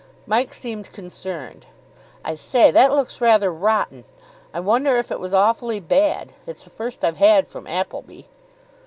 Mike seemed concerned. "I say, that looks rather rotten! I wonder if it was awfully bad. It's the first I've had from Appleby."